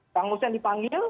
kang hussein dipanggil